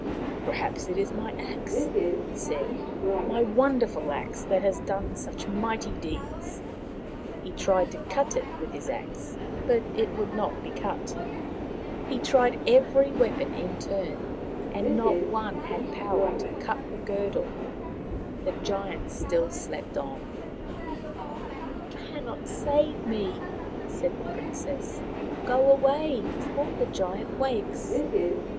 Perhaps it is my axe," he said, " my wonder axe that has done such mighty deeds." He tried The Princess and the Giant 235 to cut it with his axe, but it would not be cut. He tried every weapon in turn, but not one had power to cut the girdle. The giant still slept on. " You cannot save me," said the princess. " Go away before the giant wakes."